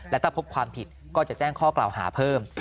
และถ้าพบความผิดก็จะแจ้งข้อกล่าวหาเพิ่ม